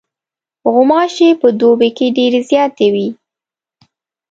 غوماشې په دوبي کې ډېرې زیاتې وي.